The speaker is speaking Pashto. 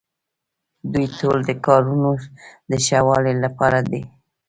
دوی ټول د کارونو د ښه والي لپاره دي.